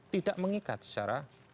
tidak mengikat secara